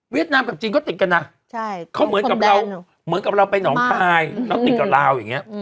เวียดนามกับจีนเขาติดกันนะเขาเหมือนกับเราไปหนองไทยแล้วติดกับลาวอย่างเงี้ย